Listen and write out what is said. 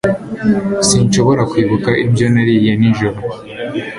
S Sinshobora kwibuka ibyo nariye nijoro